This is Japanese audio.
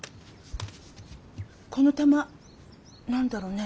この玉何だろうね。